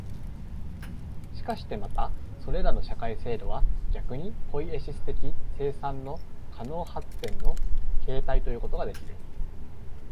しかしてまたそれらの社会制度は逆にポイエシス的生産の可能発展の形態ということができる、